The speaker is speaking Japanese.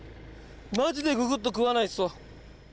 マジでググッと食わないっすわ。